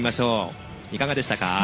いかがでしたか？